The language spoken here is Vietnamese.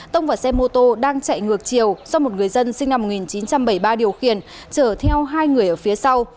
tông vào xe mô tô đang chạy ngược chiều do một người dân sinh năm một nghìn chín trăm bảy mươi ba điều khiển chở theo hai người ở phía sau